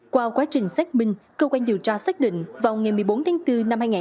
qua quá trình xét minh cơ quan điều tra xét định vào ngày một mươi bốn bốn hai nghìn hai mươi ba